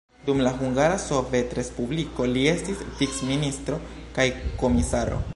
Dum la Hungara Sovetrespubliko li estis vicministro kaj komisaro.